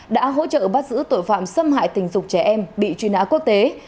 đã hỗ trợ bắt giữ tội phạm xâm hại tình dục trẻ em bị truy nã quốc tế